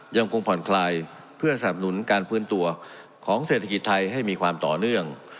ยังคงผ่อนคลายเพื่อสนับสนุนการฟื้นตัวของเศรษฐกิจไทยให้มีความต่อเนื่อง